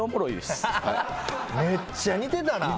めっちゃ似てたな。